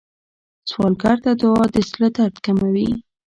سوالګر ته دعا د زړه درد کموي